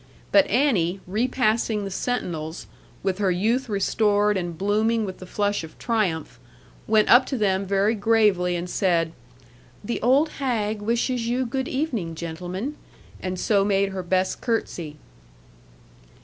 But Annie, repassing the sentinels, with her youth restored and blooming with the flush of triumph, went up to them very gravely, and said, 'The old hag wishes you good evening, gentlemen'; and so made her best curtsey.